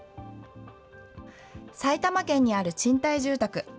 埼玉県にある賃貸住宅。